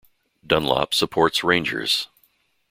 Dunlop supports Rangers.